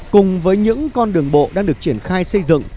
cùng với những con đường bộ đang được triển khai xây dựng